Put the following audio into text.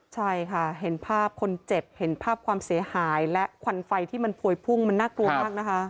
ใช่ค่ะเห็นภาพคนเจ็บเห็นภาพความเสียหายและควันไฟที่มันพวยพุ่งมันน่ากลัวมากนะคะ